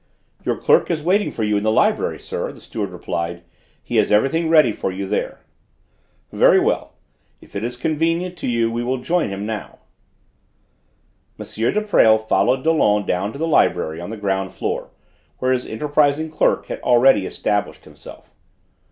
"Your clerk is waiting for you in the library, sir," the steward replied. "He has everything ready for you there." "Very well. If it is convenient to you we will join him now." M. de Presles followed Dollon down to the library on the ground floor, where his enterprising clerk had already established himself.